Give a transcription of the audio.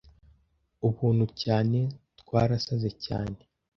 ubuntu cyane twarasaze cyane